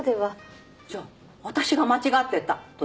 じゃあ私が間違ってたとでもいうの？